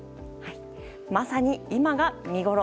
まさに今が見ごろ！